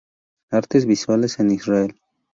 Artes visuales en Israel